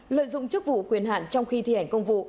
lợi dụng chức vụ quyền hạn trong khi thi hành công vụ